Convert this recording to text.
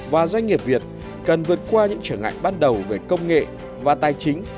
và doanh nghiệp việt cần vượt qua những trở ngại bắt đầu về công nghệ và tài chính